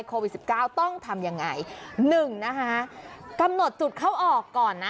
โควิดสิบเก้าต้องทำยังไงหนึ่งนะคะกำหนดจุดเข้าออกก่อนนะ